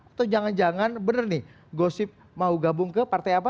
atau jangan jangan bener nih gosip mau gabung ke partai apa